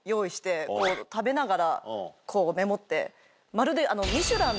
まるで。